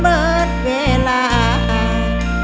เพลงเพลง